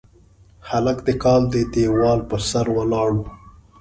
هلک د کلا د دېوال پر سر ولاړ و.